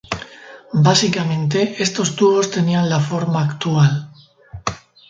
Básicamente, estos tubos tenían la forma actual.